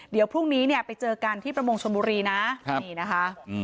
เดี๋ยวพรุ่งนี้เนี่ยไปเจอกันที่ประมงชนบุรีนะนี่นะคะ